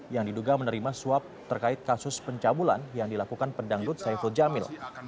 yang diduga menerima suap terkait kasus pencabulan yang dilakukan pedangdut saiful jamil